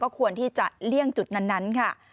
ก็ควรที่จะเลี่ยงจุดนั้น